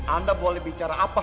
anda boleh bicara apa